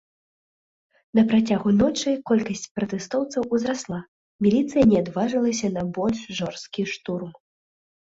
На працягу ночы колькасць пратэстоўцаў узрасла, міліцыя не адважылася на больш жорсткі штурм.